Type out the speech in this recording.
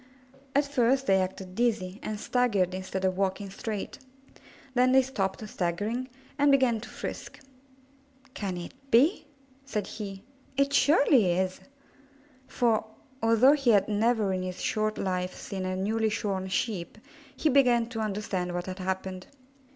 At first they acted dizzy, and staggered instead of walking straight; then they stopped staggering and began to frisk. '^Can it be?" said he. ^'It surely is!" For, although he had never in his short life seen a newly shorn Sheep, he began to understand what had happened.